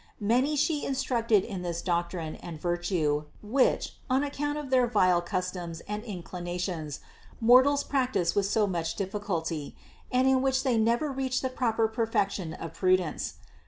Many She instructed in this doctrine and vir tue, which, on account of their vile customs and inclina tions mortals practice with so much difficulty, and in which they never reach the proper perfection of prudence.